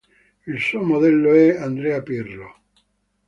Il suo modello è Andrea Pirlo.